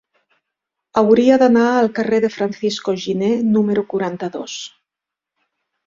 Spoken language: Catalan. Hauria d'anar al carrer de Francisco Giner número quaranta-dos.